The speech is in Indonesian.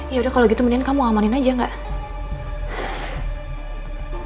ya udah kalo gitu mendingan kamu amanin aja gak